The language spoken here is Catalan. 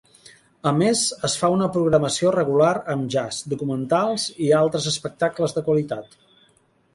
A més, es fa una programació regular amb Jazz, documentals i altres espectacles de qualitat.